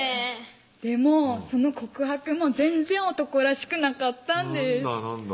でもその告白も全然男らしくなかったんです